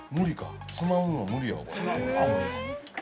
◆無理か、つまむのは無理や。